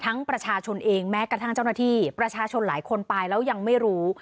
ประชาชนเองแม้กระทั่งเจ้าหน้าที่ประชาชนหลายคนไปแล้วยังไม่รู้